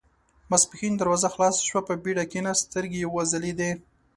ماسپښين دروازه خلاصه شوه، په بېړه کېناست، سترګې يې وځلېدې.